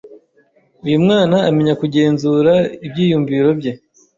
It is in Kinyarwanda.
Uyu mwana amenya kugenzura ibyiyumviro bye,